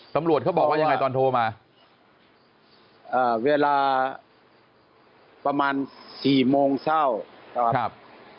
ตำรวจเขาบอกว่ายังไงตอนโทรมาเวลาประมาณ๔โมงเศร้านะครับ